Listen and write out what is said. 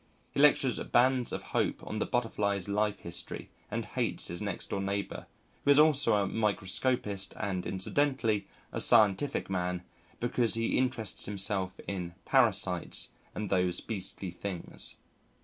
He lectures Bands of Hope on the Butterfly's Life History and hates his next door neighbour, who is also a microscopist and incidentally a scientific man, because he interests himself in "parasites and those beastly things."